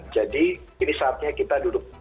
jadi ini saatnya kita duduk